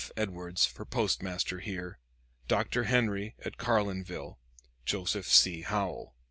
Edwards; for postmaster here, Dr. Henry; at Carlinville, Joseph C. Howell."